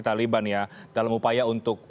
taliban ya dalam upaya untuk